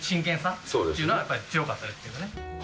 真剣さというのはやっぱり強かったですよね。